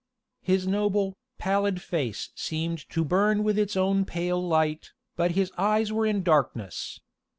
His noble, pallid face seemed to burn with its own pale light, but his eyes were in darkness.